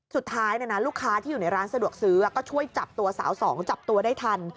สุดท้ายลูกค้าที่อยู่ในร้านสะดวกซื้อก็ช่วยจับตัวสาวสองจับตัวได้ทัน